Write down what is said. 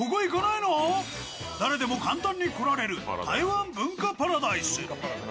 誰でも簡単に来られる台湾文化パラダイス。